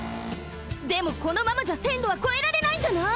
でもこのままじゃせんろはこえられないんじゃない？